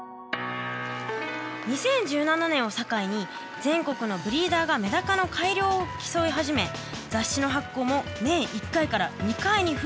２０１７年を境に全国のブリーダーがメダカの改良を競い始め雑誌の発行も年１回から２回に増えたんですって。